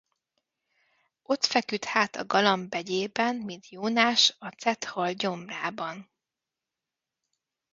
Ott feküdt hát a galamb begyében, mint Jónás a cethal gyomrában.